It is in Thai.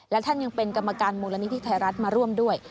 และท่านยังเป็นกรรมการมูลนิธิไทยรัฐมาร่วมด้วย